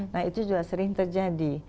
nah itu juga sering terjadi